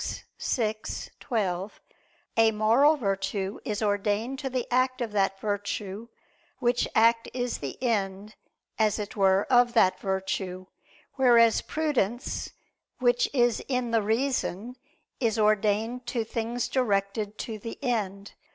_ vi, 12, a moral virtue is ordained to the act of that virtue, which act is the end, as it were, of that virtue; whereas prudence, which is in the reason, is ordained to things directed to the end.